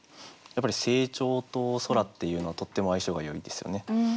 やっぱり成長と空っていうのはとっても相性がよいですよね。